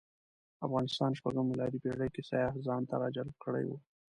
افغانستان شپږمه میلادي پېړۍ کې سیاح ځانته راجلب کړی و.